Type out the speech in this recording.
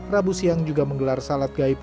rabu siang juga menggelar salat gaib